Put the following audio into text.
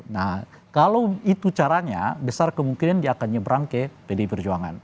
nah kalau itu caranya besar kemungkinan dia akan nyebrang ke pdi perjuangan